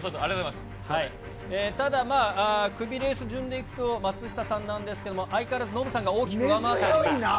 ただ、クビレース順でいくと、松下さんなんですけれども、相変わらずノブさんが大きく上回って。